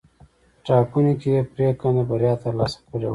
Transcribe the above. په ټاکنو کې یې پرېکنده بریا ترلاسه کړې وه.